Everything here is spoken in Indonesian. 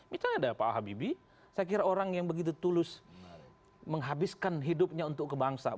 misalnya ada pak habibie saya kira orang yang begitu tulus menghabiskan hidupnya untuk kebangsaan